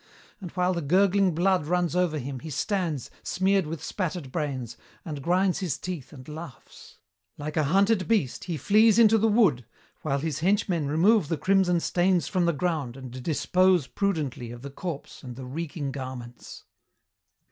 And while the gurgling blood runs over him, he stands, smeared with spattered brains, and grinds his teeth and laughs. Like a hunted beast he flees into the wood, while his henchmen remove the crimson stains from the ground and dispose prudently of the corpse and the reeking garments.